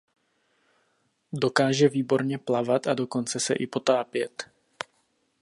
Dokáže výborně plavat a dokonce se i potápět.